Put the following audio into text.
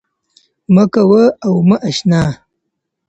مـــــه كـــــوه او مـــه اشـــنـــا